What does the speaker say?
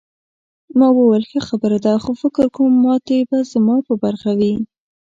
ما وویل ښه خبره ده خو فکر کوم ماتې به زما په برخه وي.